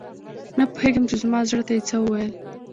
نه پوهیږم چې زما زړه ته یې څه وویل؟